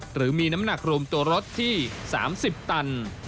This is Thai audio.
หรือมีน้ำหนักรวมตัวรถที่๓๐ตัน